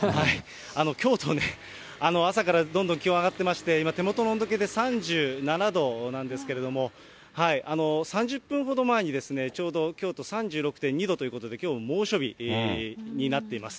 京都ね、朝からどんどん気温上がってまして、今、手元の温度計で３７度なんですけれども、３０分ほど前にちょうど京都、３６．２度ということで、きょうも猛暑日になっています。